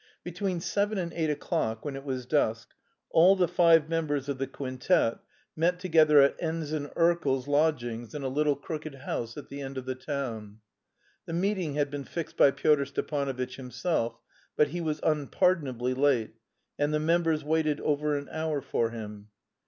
Between seven and eight o'clock, when it was dark, all the five members of the quintet met together at Ensign Erkel's lodgings in a little crooked house at the end of the town. The meeting had been fixed by Pyotr Stepanovitch himself, but he was unpardonably late, and the members waited over an hour for him.